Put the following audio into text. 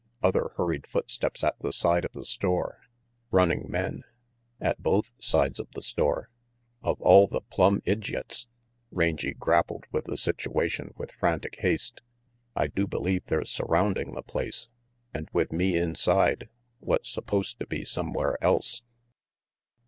Other hurried footsteps at the side of the store running men at both sides of the store "Of all the plumb idjiots!" Rangy grappled with the situation with frantic haste. " I do believe they're surrounding the place, and with me inside, what's supposed to be somewhere else!"